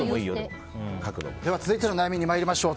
続いての悩みに参りましょう。